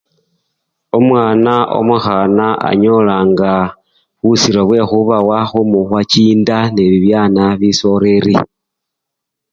Omwana omukhana anyolanga busiro bwe khubawakho mubwa chinda nebibyana bisoreri.